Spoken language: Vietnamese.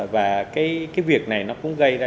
và cái việc này nó cũng gây ra